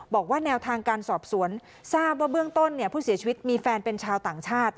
บอกว่าแนวทางการสอบสวนทราบว่าเบื้องต้นผู้เสียชีวิตมีแฟนเป็นชาวต่างชาติ